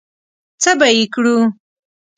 څه به یې کړو؟